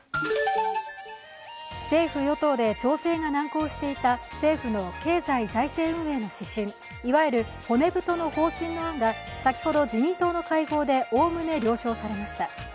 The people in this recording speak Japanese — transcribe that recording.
政府・与党で調整が難航していた政府の経済財政運営の指針、いわゆる骨太の方針の案が先ほど、自民党の会合でおおむね了承されました。